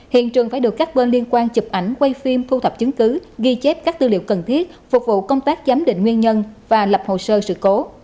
hiện trường phải được các bên liên quan chụp ảnh quay phim thu thập chứng cứ ghi chép các tư liệu cần thiết phục vụ công tác giám định nguyên nhân và lập hồ sơ sự cố